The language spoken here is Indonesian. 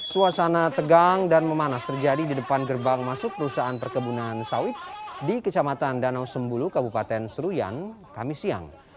suasana tegang dan memanas terjadi di depan gerbang masuk perusahaan perkebunan sawit di kecamatan danau sembulu kabupaten seruyan kami siang